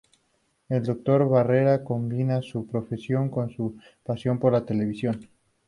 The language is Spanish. El Dr. Becerra combina su profesión con su pasión por la Televisión.